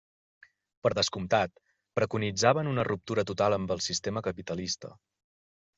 Per descomptat, preconitzaven una ruptura total amb el sistema capitalista.